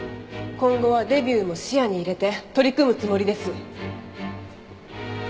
今後はデビューも視野に入れて取り組むつもりです。